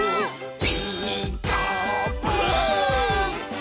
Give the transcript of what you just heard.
「ピーカーブ！」